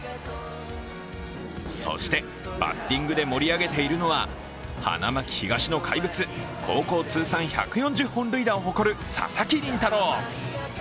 そしてバッティングで盛り上げているのは花巻東の怪物、高校通算１４０本塁打を誇る佐々木麟太郎。